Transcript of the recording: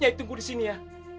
nyai tunggu disini ya